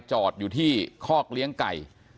จอดอยู่ที่คอกเลี้ยงไก่